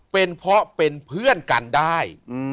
เป็นเพราะเป็นเพื่อนกันได้